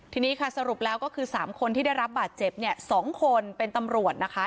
ทีนี้ค่ะสรุปแล้วก็คือ๓คนที่ได้รับบาดเจ็บเนี่ย๒คนเป็นตำรวจนะคะ